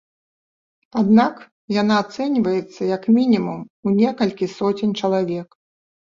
Аднак яна ацэньваецца як мінімум у некалькі соцень чалавек.